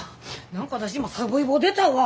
何か私今さぶいぼ出たわ。